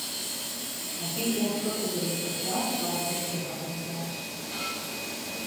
- Абы и Ӏуэхухэр къызэрекӀуэкӀам щӏалэр хигъэгъуэзащ.